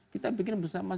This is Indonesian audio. kita bikin bersama